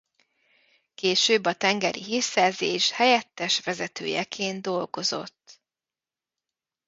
Később a tengeri hírszerzés helyettes vezetőjeként dolgozott.